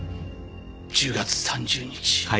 １０月３０日